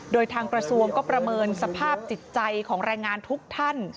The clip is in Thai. โดยทางกระทรวงก็ประเมินสภาพจิตใจของแรงงานทุกท่าน